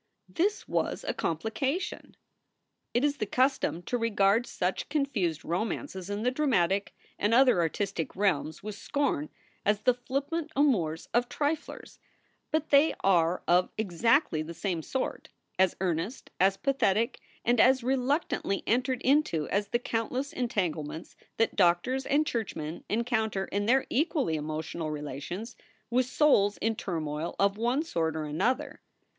This was a complication ! It is the custom to regard such confused romances in the dramatic and other artistic realms with scorn as the flippant amours of triflers; but they are of exactly the same sort, as earnest, as pathetic and as reluctantly entered into as the countless entanglements that doctors and churchmen encounter in their equally emotional relations with souls in turmoil of one sort or another.